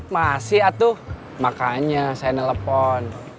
masih atuh makanya saya nelfon